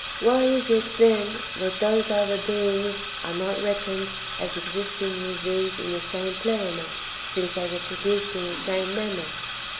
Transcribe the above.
Why is it, tiien, that those [other beings] are not reckoned as existing with these in the same Pleroma, since they were produced in the same manner?